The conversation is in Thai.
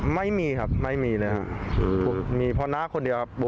ให้มีครับไม่มีเลยมีพ่อน้าคนเดียวครับ